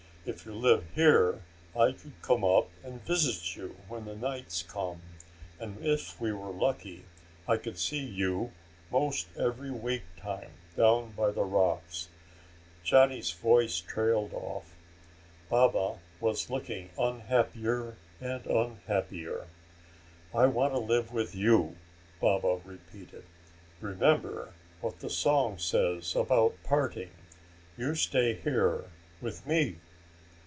If you live here, I could come up and visit you when the nights come, and if we were lucky, I could see you most every wake time down by the rocks...." Johnny's voice trailed off. Baba was looking unhappier and unhappier. "I want to live with you," Baba repeated. "Remember what the song says about parting. You stay here with me."